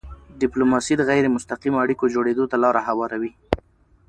ډیپلوماسي د غیری مستقیمو اړیکو جوړېدو ته لاره هواروي.